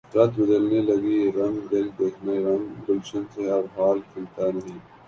رت بدلنے لگی رنگ دل دیکھنا رنگ گلشن سے اب حال کھلتا نہیں